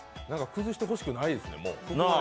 崩してほしくないですね。